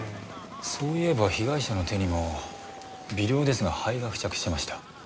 そういえば被害者の手にも微量ですが灰が付着してました。